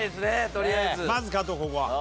まず勝とうここは。